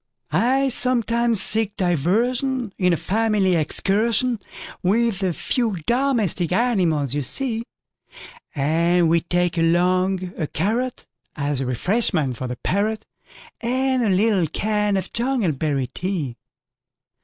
I sometimes seek diversionIn a family excursionWith the few domestic animals you see; And we take along a carrotAs refreshment for the parrot, And a little can of jungleberry tea.